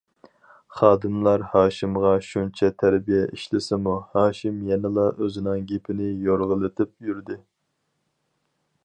خادىملار ھاشىمغا شۇنچە تەربىيە ئىشلىسىمۇ ھاشىم يەنىلا ئۆزىنىڭ گېپىنى يورغىلىتىپ يۈردى.